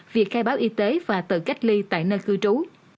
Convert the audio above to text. việc khai báo y tế và tự cách ly tại nơi cư trú